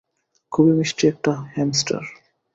খুবই মিষ্টি একটা হ্যামস্টার।